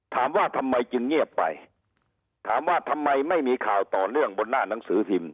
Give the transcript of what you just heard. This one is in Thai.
ถามว่าทำไมจึงเงียบไปถามว่าทำไมไม่มีข่าวต่อเนื่องบนหน้าหนังสือพิมพ์